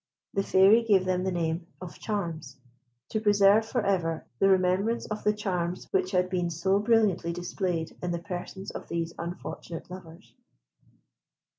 The Fairy gave them the name of Charmes, to preserve for ever the remembrance of the charms which had been so brilliantly displayed in the persons of these unfortunate lovers.